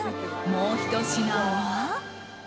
もうひと品は。